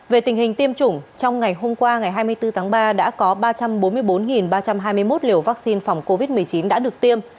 về tình hình tiêm chủng trong ngày hôm qua ngày hai mươi bốn tháng ba đã có ba trăm bốn mươi bốn ba trăm hai mươi một liều vaccine phòng covid một mươi chín đã được tiêm